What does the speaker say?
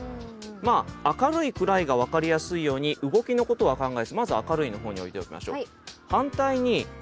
まあ明るい暗いが分かりやすいように動きのことは考えずまず明るいの方に置いておきましょう。